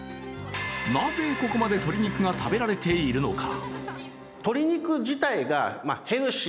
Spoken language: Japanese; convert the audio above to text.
なぜここまで鶏肉が食べられているのか。